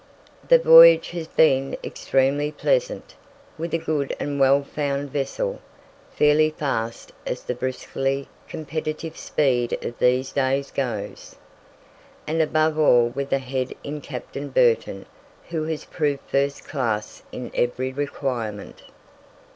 The voyage has been extremely pleasant, with a good and well found vessel, fairly fast as the briskly competitive speed of these days goes, and above all with a head in Captain Burton who has proved first class in every requirement.